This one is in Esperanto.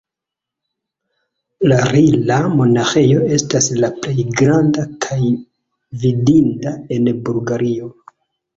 La Rila-monaĥejo estas la plej granda kaj vidinda en Bulgario.